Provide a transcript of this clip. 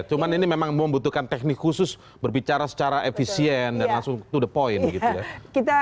cuma ini memang membutuhkan teknik khusus berbicara secara efisien dan langsung to the point gitu ya